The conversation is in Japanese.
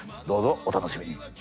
どうぞお楽しみに。